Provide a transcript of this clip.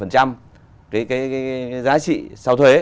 cái giá trị sau thuế